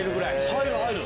入る入る。